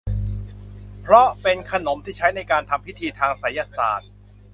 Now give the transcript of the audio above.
เพราะเป็นขนมที่ใช้ในการทำพิธีทางไสยศาสตร์